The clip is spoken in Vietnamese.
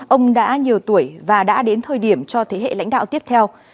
ông đã nhiều tuổi và đã đến thời điểm cho thế hệ lãnh đạo tiếp theo